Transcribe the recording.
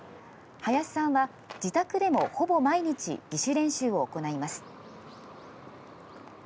林さんは自宅でもほぼ毎日、自主練習を行います。